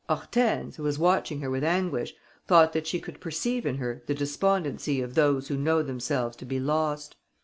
Hortense, who was watching her with anguish, thought that she could perceive in her the despondency of those who know themselves to be lost.